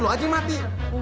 lo aja yang mati